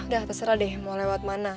udah terserah deh mau lewat mana